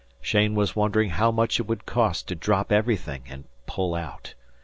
Cheyne was wondering how much it would cost to drop everything and pull out.